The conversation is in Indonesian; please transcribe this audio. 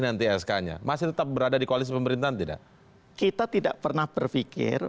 nanti sk nya masih tetap berada di koalisi pemerintahan tidak kita tidak pernah berpikir